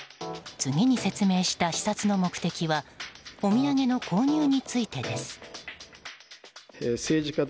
次に説明した視察の目的はお土産の購入についてです。